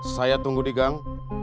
saya tunggu di gang